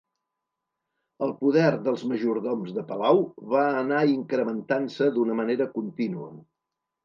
El poder dels majordoms de palau va anar incrementant-se d'una manera contínua.